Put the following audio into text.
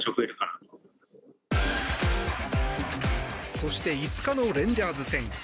そして５日のレンジャーズ戦。